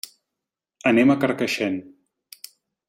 Anem a Carcaixent.